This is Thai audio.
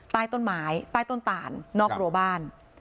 ใต้ต้นไม้ใต้ต้นตานนอกรัวบ้าน